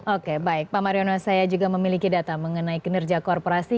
oke baik pak mariono saya juga memiliki data mengenai kinerja korporasi